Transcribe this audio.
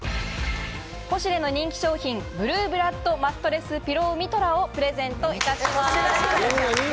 ポシュレの人気商品「ブルーブラッドマットレスピローミトラ」をプレゼントいたします。